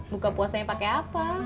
buka puasanya pake apa